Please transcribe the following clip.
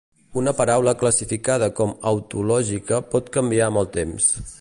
Una paraula classificada com autològica pot canviar amb el temps.